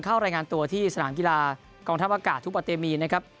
เข้ารายงานตัวที่สนามกีฬากองทัพอากาศทุกปะเตมีนนะครับ